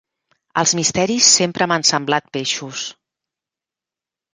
Els misteris sempre m'han semblat peixos.